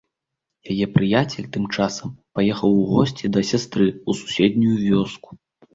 Яе прыяцель тым часам паехаў у госці да сястры ў суседнюю вёску.